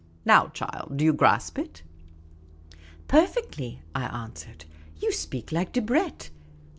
Now, child, do you grasp it ?"" Perfectly," I answered. " You speak like Debrett.